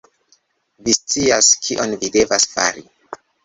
Vi scias kion vi devas fari